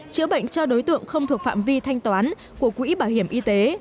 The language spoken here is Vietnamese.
chữa bệnh cho đối tượng không thuộc phạm vi thanh toán của quỹ bảo hiểm y tế